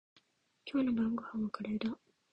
今日の晩ごはんはカレーだ。